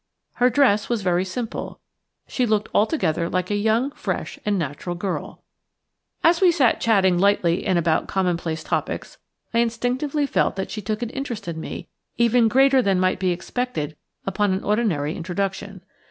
Her dress was very simple; she looked altogether like a young, fresh, and natural girl. As we sat chatting lightly and about commonplace topics, I instinctively felt that she took an interest in me even greater than might be expected upon an ordinary introduction.